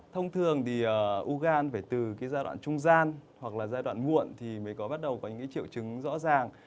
thông thường thì u gan phải từ giai đoạn trung gian hoặc là giai đoạn muộn thì mới có bắt đầu có những triệu chứng rõ ràng